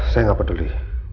saya gak peduli